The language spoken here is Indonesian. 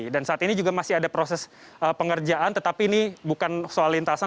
dan saat ini juga masih ada proses pengerjaan tetapi ini bukan soal lintasan